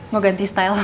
mau ganti style apa